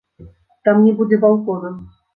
Там не будзе балкона.